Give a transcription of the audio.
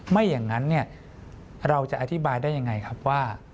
ไม่อย่างนั้นเราจะอธิบายได้ยังไงครับว่า